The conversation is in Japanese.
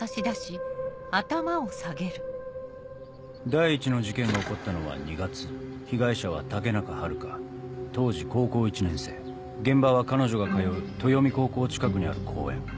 第１の事件が起こったのは２月被害者は武中遥香当時高校１年生現場は彼女が通う豊実高校近くにある公園